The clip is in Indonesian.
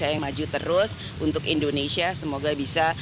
hingga pertengahan desember dua ribu dua puluh